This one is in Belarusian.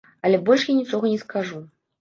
Але больш я нічога не скажу.